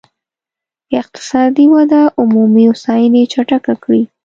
اقتصادي وده عمومي هوساينې چټکه کړي.